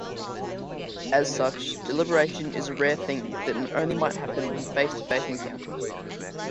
As such, deliberation is a rare thing that only might happen in face-to-face encounters.